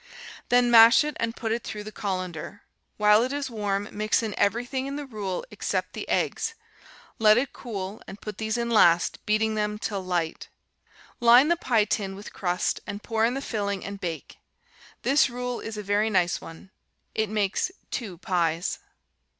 Then mash it and put it through the colander. While it is warm, mix in everything in the rule except the eggs; let it cool, and put these in last, beating them till light. Line the pie tin with crust, and pour in the filling and bake. This rule is a very nice one; it makes two pies.